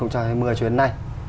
cho đến nay